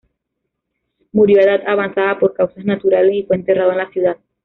Murió a edad avanzada por causas naturales y fue enterrado en la ciudad.